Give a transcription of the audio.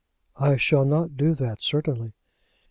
"I shall not do that, certainly."